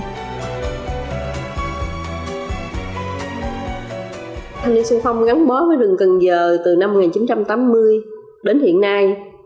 thanh niên sung phong gắn bó với rừng cần giờ từ năm một nghìn chín trăm tám mươi đến hiện nay